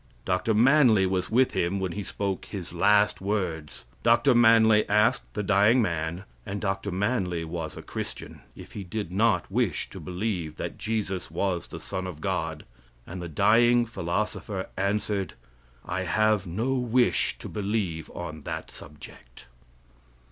Dr. Manly was with him when he spoke his last words. Dr. Manly asked the dying man, and Dr. Manly was a Christian, if he did not wish to believe that Jesus was the Son of God, and the dying philosopher answered: "I have no wish to believe on that subject."